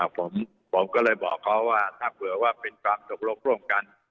ผมก็เลยบอกเขาว่าถ้าเผื่อว่าเป็นความตกลงร่วมกัน